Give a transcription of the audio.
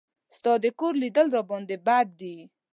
ستا د کور لیدل راباندې بد دي.